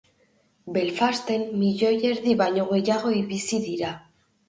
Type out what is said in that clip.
Belfasten, milioi erdi baino gehiago bizi dira.